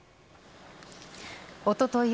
おととい